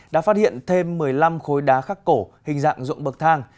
đã phát hiện thêm một mươi năm khối đá khắc cổ hình dạng rộng bậc thang